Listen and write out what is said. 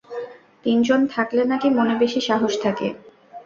তিনজন থাকলে নাকি মনে বেশি সাহস থাকে।